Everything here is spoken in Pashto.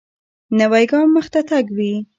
نوی ګام مخته تګ وي